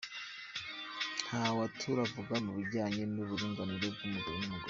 Nta wutaruvuga mu bijyanye n’uburinganire bw’umugabo n’umugore.